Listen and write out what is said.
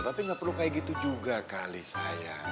tapi gak perlu kayak gitu juga kali sayang